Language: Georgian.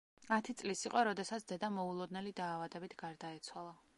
ათი წლის იყო, როდესაც დედა მოულოდნელი დაავადებით გარდაეცვალა.